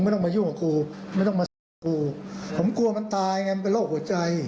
ไม่ต้องมายุ่งกับกูไม่ต้องมาสับครูผมกลัวมันตายไงมันเป็นโรคหัวใจ